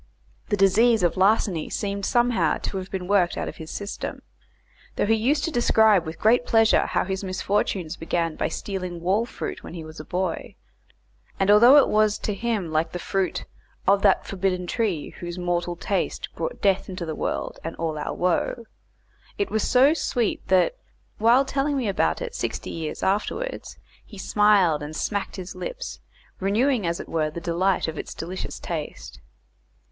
The disease of larceny seemed somehow to have been worked out of his system; though he used to describe with great pleasure how his misfortunes began by stealing wall fruit when he was a boy; and although it was to him like the fruit "Of that forbidden tree, whose mortal taste Brought death into the world, and all our woe." it was so sweet that, while telling me about it sixty years afterwards, he smiled and smacked his lips, renewing as it were the delight of its delicious taste.